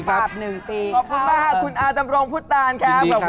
ขอบคุณมากคุณอาดำรงพุทธตานครับขอบคุณ